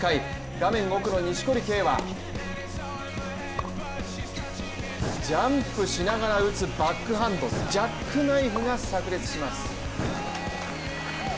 画面奥の錦織圭は、ジャンプしながら打つバックハンドのジャックナイフがさく裂します。